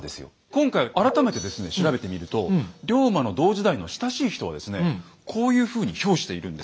今回改めてですね調べてみると龍馬の同時代の親しい人はですねこういうふうに評しているんですよ。